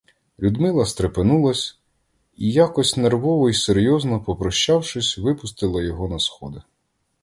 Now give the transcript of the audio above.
Людмила стрепенулась і, якось нервово й серйозно попрощавшись, випустила його на сходи.